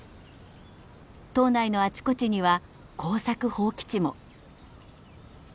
島内のあちこちには耕作放棄地も。